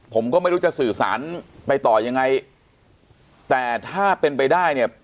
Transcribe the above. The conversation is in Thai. ผมก็ไม่รู้จะสื่อสารไปต่อยังไงแต่ถ้าเป็นไปได้เนี่ย